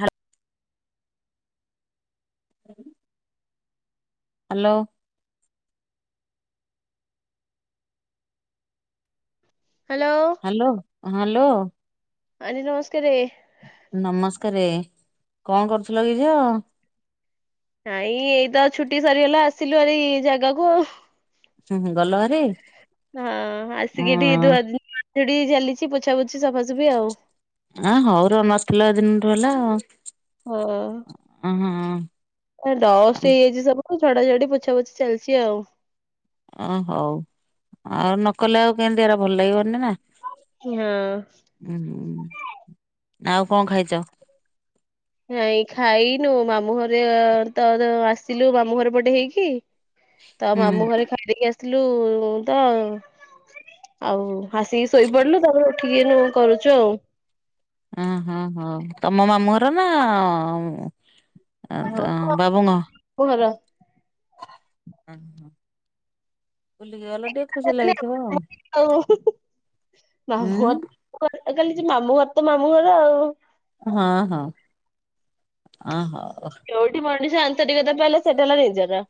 Hello. [inaudible] Hello. Hello. Hello ହଁ hello aunty ନମସ୍କାରେ। ନମସ୍କାରେ କଣ କରୁଥିଲ କି ଝିଅ? ନାଇଁ ଏଇତ ଆଉ ଛୁଟି ସରିଗଲା ଆସିଲୁ ହାରି ଜାଗାକୁ ଆଉ। ହୁଁ, ହୁଁ, ଗଲ ଭାରି? ହଁ, ଅ ଆସିକି ଟିକେ ଧୁଆ ଧୋଇ ଚାଲିଛି ପୋଛା ପୋଛି ସଫାସୁଫି ଆଉ। ଆ ହଉ ର ନଥିଲା ଦିନଠୁ ହେଲା ଆଉ। ଅ ହଁ ଓହ ଡଷ୍ଟ ହେଇଯାଇଛି ସବୁ। ଝଡା ଝଢି ପୋଛା ପୋଛିି ଚାଲିଛି ଆଉ। ଓ ହଉ ଆଉ ନକଲେ ଆଉ କେମିତି ଏରା ଭଲ ଲାଗିବନି ନା ହଁ। ହୁଁ ଆଉ କଣ ଖାଇଛ? ନାଇଁ ଖାଇନୁ ମାମୁ ଘରେ ତ ଆସିଲୁ ମାମୁ ଘର ପଟେ ହେଇକି। ତ ହୁଁ ମାମୁଁ ଘରେ ଖାଇିଦେଇକି ଆସିଲୁ ତାଇଁ ଆଉ ଆସିକି ଶୋଇପଡିଲୁ ତା ପରେ ଉଠିକି ସବୁ କରୁଛୁ ଆଉ। ଓହୋ ହୋ ତମ ମାମୁଁ ଘର ନା ଏ ତ ଅ ବାବୁଙ୍କ କୁ ହର ଅ ହଁ। ବୁଲିକି ଗଲ ଟିକେ ଖୁସି ଲାଗିଥିବ ଆଉ ଆଉ ଉଁ ମୁଁ କହିଲି ଚି ମାମଁ ଘର ତ ମାମୁଁ ଘର ଆଉ। ହଁ ହଁ ହଁ ହଉ। ଯୋଉଠି ମଣିଷ ଆନ୍ତରିକତା ପାଇଲେ ସେଟା ହେଲା ନିଜର।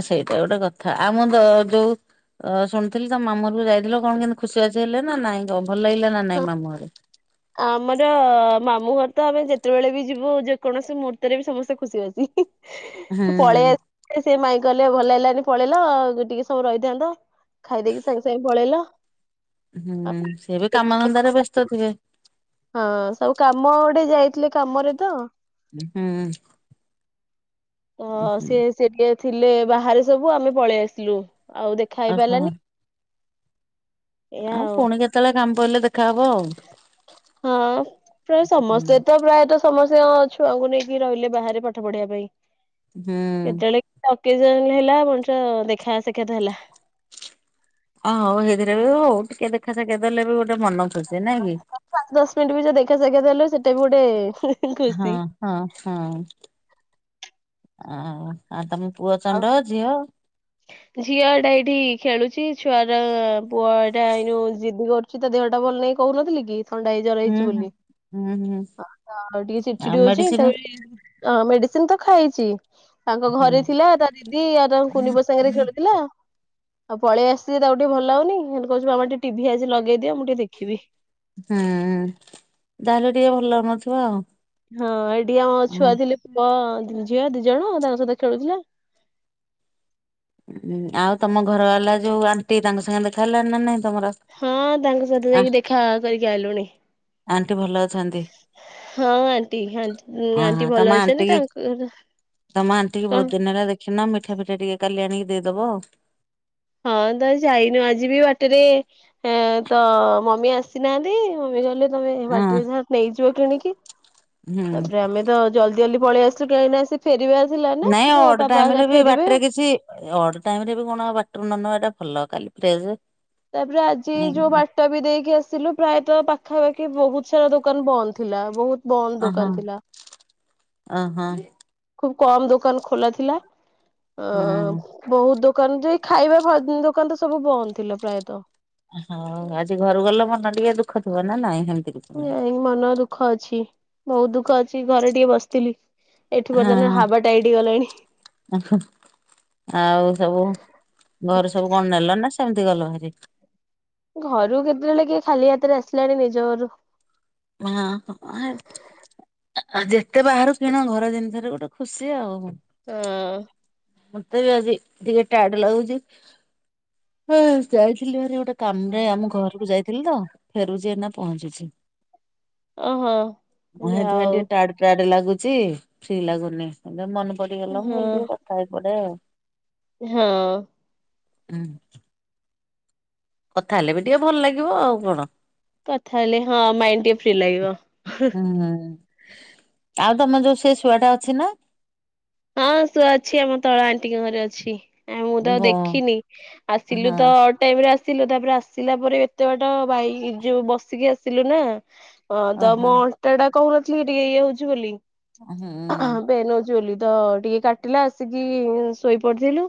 ଓ ସେଇଟା ଗୋଟେ କଥା ଆମ ତ ଯୋଉ ତ ଶୁଣିଥିଲି ତମ ମାମୁଁ ଘରକୁ ଯାଇଥିଲ କଣ କେମିତି ଖୁସିବାସି ହେଲେ ନା ନାଇଁ ଭଲ ଲାଗିଲା ନା ହଁ ନାଇଁ ମାମୁଁ ଘରେ? ଆମର ମାମୁଁ ଘର ତ ଆମେ ଯେତେବେଳେ ବି ଯିବୁ ଯେକୌଣସି ମୁହୂର୍ତ୍ତରେ ବି ସମସ୍ତେ ଖୁସିବାସି। ହୁଁ ପଳେଇ ହୁଁ। ଆସ ସେ ମାଇଁ କହିଲେ ଭଲ ହେଲାନି ପଳେଇଲ ଆଉ ଟିକେ ସମୟ ରହିଥାନ୍ତ। ଖାଇଦେଇକି ସାଙ୍ଗେ ସାଙ୍ଗେ ପଳେଇଲ। ହୁଁ ସେ ବି କାମଧନ୍ଦାରେ ବ୍ୟସ୍ତ ଥିବେ। ହଁ ସବୁ କାମ ଗୋଟେ ଯାଇଥିଲେ କାମରେ ତ। ହୁଁ। ତ ହୁଁ। ସେ ସେ ଟିକେ ଥିଲେ ବାହାରେ ସବୁ ଆମେ ପଳେଇ ଆସିଲୁ ଆଉ ଦେଖା ଓହୋ ହେଇପାରିଲାନି। ଆଉ ପୁଣି କେତେବେଳେ କାମ ପଡିଲେ ଦେଖାହବ ଆଉ। ହଁ ପ୍ରାୟ ହୁଁ ସମସ୍ତେ ତ ପ୍ରାୟତଃ ସମସ୍ତ ଛୁଆଙ୍କୁ ନେଇକି ରହିଲେ ବାହାରେ ପାଠ ପଢିବା ପାଇଁ ହୁଁ କେତେବେଳେ ଅକେଜନ ହେଲା ମଣିଷ ଦେଖା ସାକ୍ଷାତ ହେଲା। ଓ ହଉ ହେଇଥିରେ ବି ହଉ ଟିକେ ଦେଖାସାଖ୍ୟାତ୍ ହେଲେ ବି ଗୋଟେ ମନ ଖୁଛି ନାଇଁ କି? ପାଞ୍ଚ ଦଶ ମିନିଟ୍ ବି ଯିଏ ଦେଖାସାଖ୍ୟାତ୍ ହେଲେ ସେଇଟା ବି ଗୋଟେ ହଁ ଖୁସି। ହଁ ହଁ ଆଉ ତମେ ପୁଅ ଆଉ ଚଣ୍ଡ ଝିଅ? ଝିଅ ଟା ଏଇଠି ଖେଳୁଛି ଛୁଆର ପୁଅଟା ଏଇ ଜଉ ଜିଦି କରୁ ତା ଦେହଟା ଭଲ ନାଇଁ କହୁନଥିଲି କି? ଥଣ୍ଡା ହେଇ ଜର ହୁଁ ହେଇଛି ହୁଁ। ବୋଲି ହୁଁ ହୁଁ ଟିକେ ଛିଡ୍ ଛିଡ୍ ଆଉ ହଉଛି ମେଡିସିନ ତାପରେ ଅଁ ମେଡିସିନ୍ ତ ଖାଇଛି ତାଙ୍କ ଘରେ ଥିଲା ତା ଦିଦି ଆ ତାଙ୍କ ହୁଁ। କୁନିପୁଅ ସାଙ୍ଗରେ ଖେଳୁ ହେଲା ପଳେଇଆସିଛିି ତାକୁ ଟିକେ ଭଲ ଲାଗୁନି ହେଠୁ କହୁଛି ବାବା ଟିକେ ଟିଭି ଆଜି ଲଗେଇ ଦିଅ ମୁଁ ଟିକେ ଦେଖିବି। ହୁଁ ଯାହେଲେ ଟିକେ ଭଲ ଲାଗୁନଥିବ ଆଉ। ହଁ ଏଠି ଆମ ଛୁଆ ଥିଲେ ପୁଅ ଝିଅ ଦି ଜଣ ତାଙ୍କ ସହିତ ଖେଳୁଥିଲା। ଉ ଆଉ ତମ ଘର ବାଲା ଯୋଉ ଆଣ୍ଟି ତାଙ୍କ ସାଙ୍ଗେ ଦେଖା ହେଲାଣି ନା ନାଇଁ ତମର? ହଁ ତାଙ୍କ ସହିତ ଆ ଯାଇକି ଦେଖା କରିକି ଆଇଲୁଣି। ଆଣ୍ଟି ଭଲ ଅଛନ୍ତି? ହଁ ଆଣ୍ଟି ଆଣ୍ଟି ଭଲ ଅଛନ୍ତି ତାଙ୍କ ଘର ତମେ ଆଣ୍ଟିକି ବହୁତ ଦିନ ହେଲା ଦେଖିନ ମିଠା ଫିଠା ଟିକେ କାଲି ଆଣିକି ଦେଇଦବ ଆଉ। ହଁ ତ ଯାଇନୁ ଆଜି ବି ବାଟରେ ହେଁ ତ ମମି ଆସିନାହାନ୍ତି ମମି କହିଲେ ତମେ ହଁ। ବାଟରେ ଯାହା ନେଇଯିବ କିଣିକି ହୁଁ ତାପରେ ଆମେ ତ ଜଲଦି ଜଲଦି ପଳେଇଆସିଲୁ କାହିଁକି ନା ସେ ଫେରିବା ନାଇଁ ଅଡ ଟାଇମ୍ ରେ ବି ବାଟରେ କିଛି ଅଡ ଟାଇମ୍ ରେ ବି କଣ ବାଟରୁ ନ ନବାଟା ଭଲ କାଲି ଫ୍ରେସ୍ ତାପରେ ଆଜି ଯୋଉ ବା ଟା ବି ଦେଇକି ଆସିଲୁ ପ୍ରାୟତଃ ପାଖାପାଖି ବହୁତ ସାରା ଦୋକାନ ବନ୍ଦ ଥିଲା ବହୁତ ବନ୍ଦ ଓହୋ ଦୋକାନ ଥିଲା। ହୁଁ। ଖୁବ କମ୍ ଦୋକାନ ଖୋଲା ଥିଲା ଅ ବହୁତ ଦୋକାନ ଯେ ଖାଇବା ଫାଇ ଦୋକାନ ତ ସବୁ ବନ୍ଦ ଥିଲା ପ୍ରାୟତଃ। ହଉ ଆଜି ଘରୁ ଗଲ ମନ ଟିକେ ଦୁଃଖ ଥିବ ନା ନାଇଁ ହେମିତି କି ନାଇ ମନ ଦୁଃଖ ଅଛି ବହୁତ ଦୁଃଖ ଅଛି ଘରେ ଟିକେ ବସିଥିଲି। ଏଠି ବର୍ତ୍ତମାନ ହାବାଟାଇଟି ହେଇଗଲାଣି। [unintelligible] ଆଉ ସବୁ ଘରେ ସବୁ କଣ ନେଲ ନା ସେମିତି ଗଲ ଭାରି? ଘରୁ କେତେବେଳେ କିଏ ଖାଲି ହାତରେ ଆସିଲାଣି ନିଜ ଘରୁ? ହଁ ହଁ [unintelligible] ଆଉ ଯେତେ ବାହାରୁ କିଣ ଘର ଜିନିଷରେ ଗୋଟେ ଖୁସି ଆଉ। ହଁ। ମତେ ବି ଆଜି ଟିକେ ଟାଏଡ ଲାଗୁଛି ହଁ ଯାଇଥିଲି ଭାରି ଗୋଟେ କାମରେ ଆମ ଘରକୁ ଯାଇଥିଲି ତ ଫେରୁଛି ନା ପହଞ୍ଚୁଛି। ଓହୋ ମୁଁ ହେଥିପାଇଁ ଯାଉ ଟିକେ ଟାଡ଼ ଟାଏଡ ଲାଗୁଛି ଫି ଲାଗୁନି ଏବେ ମନେ ପଡିଗଲା ମୁଁ ହଁ କହିଲି ଟିକେ କଥା ହେଇପଡେ ଆଉ। ହଁ। ହୁଁ। କଥା ହେଲେ ବି ଟିକେ ଭଲ ଲାଗିବ ଆଉ କଣ? କଥା ହେଲେ ହଁ ମାଇଣ୍ଡ ଟିକେ ଫ୍ରି ଲାଗିବ। ହଁ। ଆଉ ତମର ଯୋଉ ସେଇ ଶୁଆ ଟା ଅଛି ନା? ହଁ ଶୁଆ ଅଛି ଆମ ତଳ ଆଣ୍ଟିଙ୍କ ଘରେ ଅଛି। ଆ ମୁଁ ତ ବ ଦେଖିନି ଆଉ ସିଲୁ ହଁ ତ ଟାଇମରେ ଆସିଲୁ ତାପରେ ଆସିଲା ପରେ ଏତେ ବାଟ ବାଇ ଯୋଉ ବସିକି ଆସିଲୁ ନା ହଁ ତ ଓହୋ ମୁଁ ଅଣ୍ଟା ଟା କହୁ ନଥିଲି ଟିକେ ଇଏ ହଉଛି ବୋଲି ହୁଁ। ପେନ୍ ହଉଛି ବୋଲି। ତ ଟିକେ କାଟିଲା ଆସିକି ଶୋଇପଡିଥିଲୁ।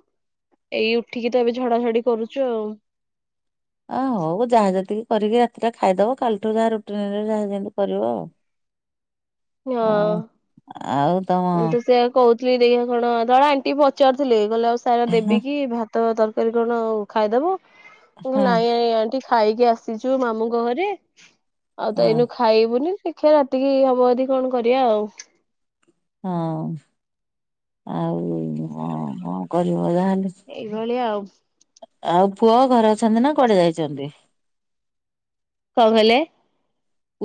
ଏଇ ଉଠିକି ତ ଏବେ ଝଡା ଝଡି କରୁଛୁ ଆଉ। ଆଃ ହଉ ଯାହା ଯେତିକି କରିକି ରାତିଟା ଖାଇଦବ କାଲିଠୁ ଯାହା ରୁଟିନ୍ ଯାହା ଯେମିତି କରିବ ଆଉ। ହଁ। ଆଉ ତମ ମୁଁ ତ ସେଆ କହୁଥିଲି ଦେଇ କଣ ତଳ ଆଣ୍ଟି ପଚାରୁଥିଲେ କହିଲେ ଆଉ ସାରା ହଁ ଦେବିକି ଭା ତ ତରକାରୀ କଣ ଖାଇଦବ ମୁଁ କହିଲି ନାଇଁ ନାଇଁ ଆଣ୍ଟି ଖାଇକି ଆସିଛୁ ମାମୁଙ୍କ ଘରେ ଆଉ ତ ହଁ ଏଇନୁ ଖା ଖାଇବୁନି ଦେଖିବା ରାତିକି ହବ ଯଦି କଣ କରିବା ଆଉ। ହଁ ଆଉ କଣ କରିବ ଯହେଲେ ଏଇ ଭଳିଆ ଆଉ। ଆଉ ପୁଅ ଘରେ ଅଛନ୍ତି ନା କୁଆଡେ ଯାଇଛନ୍ତି? କଣ କହିଲେ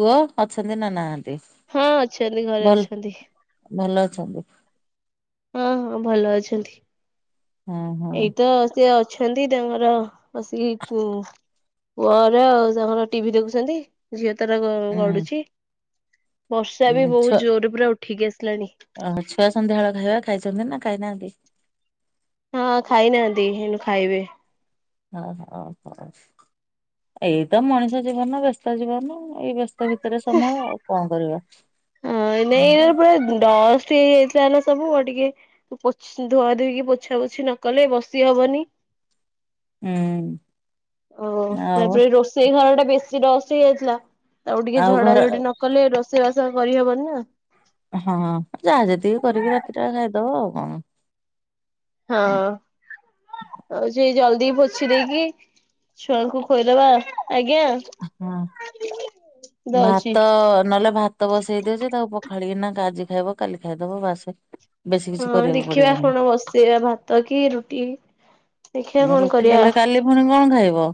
ପୁଅ ଅଛନ୍ତି ନା ନାହାନ୍ତି? ହଁ ଅଛନ୍ତି ଘରେ ଭଲ ଅଛନ୍ତି। ଭଲ ଅଛନ୍ତି। ହଁ ହଁ ଭଲ ଅଛନ୍ତି। ହଁ। ହଁ। ଏଇତ ସେ ଅଛନ୍ତି [unintelligible] ବସିକି କୁ ପୁଅର ଆଉ ତାଙ୍କର ଟି ଭି ଦେଖୁଛନ୍ତି। ଝିଅ ତାର ହୁଁ ଗ-ଗଡୁଛି ବର୍ଷା ବି ବହୁତ ଜୋର ପୁରା ଉଠିକି ଆସିଲାଣି। ଓହ ଛୁଆ ସନ୍ଧ୍ୟାବେଳ ଖାଇବା ଖାଇଛନ୍ତି ନା ଖାଇନାହାନ୍ତି? ହଁ ଖାଇନାହାନ୍ତି ହେନୁ ଖାଇବେ। ଓହୋ ହଁ ଏଇ ତ ମଣିଷ ଜୀବନ ବ୍ୟସ୍ତ ଜୀବନ ଏଇ ବ୍ୟସ୍ତ ଭିତ ହଁ ନାଇ ଏ ପୁରା ଡଲ ଫ୍ରି ହେଇଥିଲା ନା ସବୁ ଆଉ ଟିକେ ପୋଛ୍ ଧୁଆ ଧୋଇକି ପୋଛାପୋଛି ନ କଲେ ବସି ହବନି। ହୁଁ। ଓହ ଆଉ ତାପରେ ରୋଷେଇ ଘର ଟା ବେଶୀ ରସ ହେଇଯାଇଥିଲା ତାକୁ ଟିକେ ଆଉ ଝଡା ଘର ଝଡି ନ କଲେ ରୋଷେଇ ବାସ କରି ହବନି ନା। ହଁ ଯାହା ଯେତିକି କରିକି ରାତିଟା ଖାଇଦବ ଆଉ କଣ। ହଁ। ହୋଉଛି ଜଲଦି ପୋଛି ଦେଇକି ଛୁଆଙ୍କୁ ଖୋଇଦବା ଆଜ୍ଞା। ହଁ ଦଉଛି। ଭାତ ନହେଲେ ଭା ଭତ ବସେଇ ଦିଉଛି ତାକୁ ପଖାଳିକି ନା ଆଜି ଖାଇବ କାଲି ଖାଇଦବ ବାସରେ। ହଁ ଦେଖିବା କଣ ବସେଇବା, ଭାତ କି ରୁଟି, ଦେଖିବା କଣ ରୁଟି କରିବା କଲେ କାଲି ଆଉ। ପୁଣି କଣ ଖାଇବ?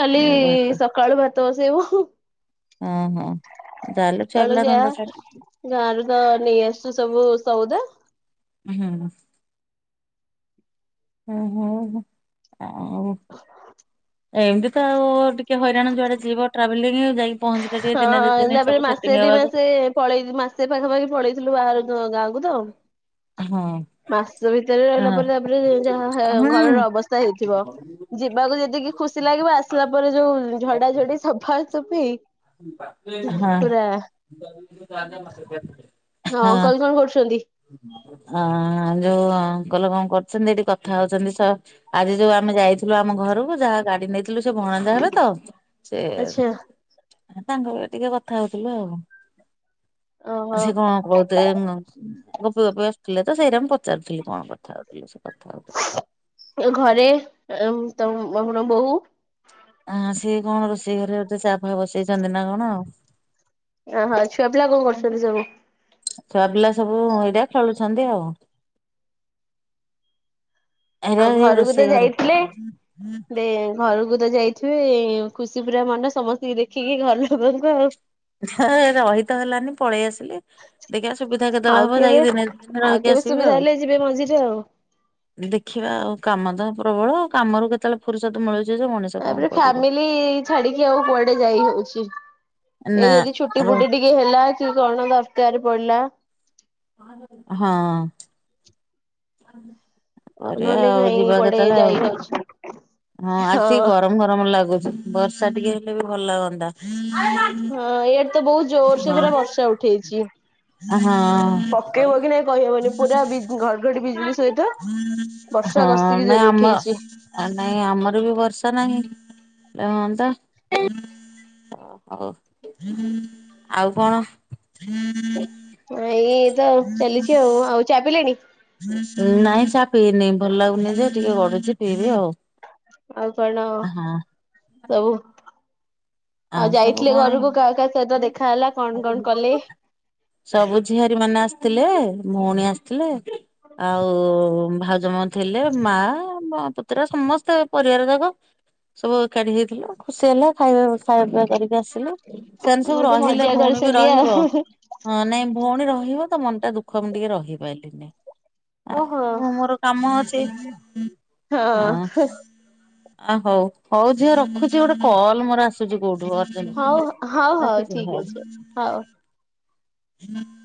କାଲି ଭାତ। ସକାଳୁ ଭାତ ବସେଇବୁ। ଓଁ ହଁ ତାହେଲେ ଛୁଆପିଲା ଧନ୍ଦା ସା ଗାଁ ରୁ ତ ନେଇଆସିଛୁ ସବୁ ସଉଦା। ହୁଁ। ହୁଁ ହୋ ହ। ଆଉ ଏମିତି ତ ଆଉ ଟିକେ ହଇରାଣ ଯୁଆଡେ ଯିବ ଟ୍ରାଭ ଲିଙ୍ଗ ଯାଇ ହଁ ତାପରେ ମାସେ ଦିମାସେ ପଳେଇ ମାସେ ପାଖାପାଖି ପଳେଇଥିଲୁ ବାହାରେ ଗାଁ କୁ ତ। ହଁ। ମାସ ଭିତରେ ହଁ ରହିଲା ପରେ ତାପରେ ଯାହା ଘରର ହୁଁ ଅବସ୍ଥା ହେଇଥିବ। ଯିବାକୁ ଯେତିକି ଖୁସି ଲାଗିବ ଆସିଲା ପରେ ଯୋଉ ଝଡାଝଡି ସଫା ସଫି। ପୁରା ହଁଁ। ହଁ ଅଙ୍କଲ କଣ କରୁଛନ୍ତି? ହଁ ଯୋଉ ଅଙ୍କଲ କଣ କରୁଛନ୍ତି, ଏଠି କଥା ହଉଛନ୍ତି ସ ଆଜି ଯୋଉ ଆମେ ଯାଇଥିଲୁ ଆମ ଘରକୁ ଯାହା ଗାଡି ନେଇଥିଲୁ ସେ ଭଣଜା ହେବେ ତ ସେ ଆଚ୍ଛା ତାଙ୍କ ଘରେ ଟିକେ କଥା ହଉଥିଲୁ ଆଉ। ଆଉ ଓହୋ ସେ କଣ ଗପି ଗପି ଆସୁଥିଲେ ତ ସେଇଟା ମୁଁ ପଚାରୁଥିଲି କଣ କଥା ହଉଥିଲେ ସେ କଥା ହଉ ଏ ଘରେ ତମର ବୋହୁ। ଆ ସିଏ କଣ ରୋଷେଇ ଘରେ ଅଛି, ଚା ଫା ବସେଇଛନ୍ତି ନା କଣ ଆଉ। ଓହୋ ଛୁଆ ପିଲା କଣ କରୁଛନ୍ତି ସବୁ? ଛୁଆ ପିଲା ସବୁ ଏଇଟା ଖେଳୁଛନ୍ତି ଆଉ। ଏ ରା ଆଉ ରୋଷେଇଘରେ। ତେ ଘରକୁ ତ ଯାଇଥିବେ ଖୁସି ପୁରା ମନ, ସମସ୍ତଙ୍କୁ ଦେଖିକି ଘର ଲୋକଙ୍କୁ ଆଉ। ହଁ ରହିତ ହେଲାନି, ପଳେଇ ଆସିଲି। ଦେଖିବା ସୁବିଧା ଆଉ କେତେବେଳେ ହବ କେବେ ଯାଇକି ଦିନେ ଦିଦିନ ଆଉ ରହିକି କେବେ ଆସିବି ସୁବିଧା ଆଉ। ହେଲେ ଯିବେ ମଝିରେ ଆଉ। ଦେଖିବା ଆଉ କାମ ତ ପ୍ରବଳ, କାମରୁ କେତେବେଳେ ଫୁରୁସତ ମିଳୁଛି ଯେ ମଣିଷ ତାପରେ କଣ କରିବ? ଫ୍ୟାମିଲି ଛାଡିକି ଆଉ କୁଆଡେ ଯାଇ ହଉଛି, ଏଇ ନା ଯଦି ଛୁଟି ର ଫୁଟି ଟି କିଏ ହେଲା କି କଣ ଦରକାର ପଡିଲା ହଁ। [inaudible] କରିବା ନହେଲେ ଆଉ ନାଇଁ ଯିବା କୁଆଡେ କେତେବେଳେ ଆଉ। ଯାଇ ହଉଛି ହଁ ଆସିକି ଗରମ ଗରମ ଲାଗୁଛି। ବର୍ଷା ଟିକେ ହେଲେ ବି ଭଲଲାଗନ୍ତା। ହଁ ଇଆଡେ ତ ବହୁତ ଜୋର ସେ ପୁରା ବର୍ଷା ଉଠେଇଛି। ଆ ହଁ। ପକେଇବ କି ନାଇଁ କହିହବନି ପୁରା ବି ଘଡଘଡି ବିଜୁଳି ସହିତ ବର୍ଷା ହଁ କଷିକି ନାଇଁ ଜୋରେ ଆମ ଉଠେଇଛି। ଆ ନାଇଁ ଆମର ବି ବର୍ଷା ନାହିଁ। ହଅନ୍ତା। ଓ ହଉ, ଆଉ କଣ? ଏଇ ଇଏ ତ ଚାଲିଛି ଆଉ, ଆଉ ଚା ପିଲେଣି? ନାଇଁ ଚା ପିଇନି। ଭଲ ଲାଗୁନି ଯେ, ଟିକେ ଗଡୁଛି। ପିଇବି ଆଉ। ଆଉ କଣ ହଁ ସବୁ? ଆଉ ସବୁ ଯାଇଥିଲେ କଣ ଘରକୁ, କାହା କାହା ସହିତ ଦେଖାହଲା, କଣ କଣ କଲେ? ସବୁ ଝିଆରୀମାନେ ଆସିଥିଲେ, ଭଉଣୀ ଆସିଥିଲେ। ଆଉ ଭାଉଜମାନେ ଥିଲେ, ମା ପୁତୁରା ସମସ୍ତେ ପରିବାର ଯାକ। ସବୁ ଏକାଠି ହେଇଥିଲୁ। ଖୁସି ହେଲା, ଖାଇବାଖାଇବା ପିଇବା କରିକି ଆସିଲୁ। ସେମାନେ ସବୁ ଗୋଟେ ରହିଲେ, ମଜା ଭଉଣୀ ବି କରିଛନ୍ତି ରହିବ। ଆଉ ହଁ ନାଇଁ ଭଉଣୀ ରହିବ ତ, ମନ ଟା ଦୁଃଖ ମୁ ଟିକେ ରହିପାରିଲିନି। ଓହୋ ଆଉ ମୋର କାମ ଅଛି, ହଁ। ଆ ହଉ ହଉ ଝିଅ ରଖୁଛି ଗୋଟେ କଲ୍ ମୋର ଆସ କୋଉଠୁ ହଉ ହଉ ହଉ ଅରଜେଣ୍ଟ ଠିକ ଅଛି ଗୋଟେ ହଉ। ରଖୁଚି ହଉ।